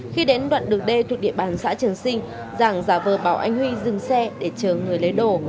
khi đến đoạn đường d thuộc địa bàn xã trường sinh giảng giả vờ bảo anh huy dừng xe để chờ người lấy đồ